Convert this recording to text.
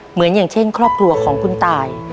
อย่างเช่นครอบครัวของคุณตาย